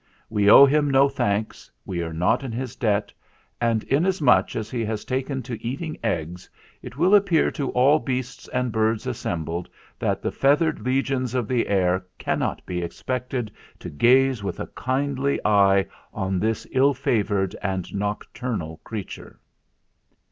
We owe him no thanks, we are not in his debt, and inasmuch as he has taken to 286 THE FLINT HEART eating eggs it will appear to all beasts and birds assembled that the feathered legions of the air cannot be expected to gaze with a kindly eye on this ill favoured and nocturnal creature."